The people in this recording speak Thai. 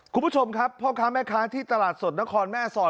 คุณผู้ชมครับพ่อค้าแม่ค้าที่ตลาดสดนครแม่สอด